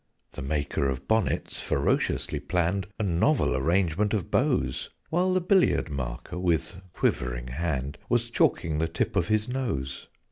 The maker of Bonnets ferociously planned A novel arrangement of bows: While the Billiard marker with quivering hand Was chalking the tip of his nose.